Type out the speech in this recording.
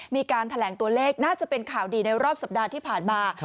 มีการแถลงตัวเลขน่าจะเป็นข่าวดีในรอบสัปดาห์ที่ผ่านมา